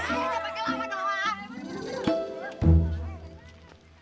ayo jangan pakai lama doa